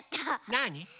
なあに？